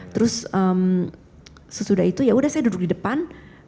terus sesudah itu yaudah saya duduk di depan